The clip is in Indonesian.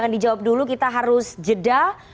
dijawab dulu kita harus jeda